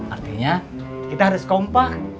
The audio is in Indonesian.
artinya kita harus kompak